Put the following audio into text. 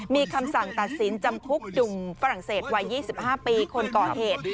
มีคำสั่งตัดสินจำคุกหนุ่มฝรั่งเศสวัย๒๕ปีคนก่อเหตุ